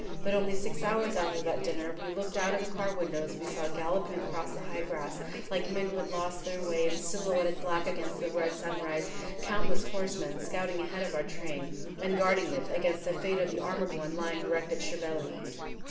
But only six hours after that dinner, as we looked out of the car windows, we saw galloping across the high grass, like men who had lost their way, and silhouetted black against the red sunrise, countless horsemen scouting ahead of our train, and guarding it against the fate of the armored one lying wrecked at Chieveley.